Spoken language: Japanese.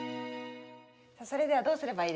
それではどうすればいいですか？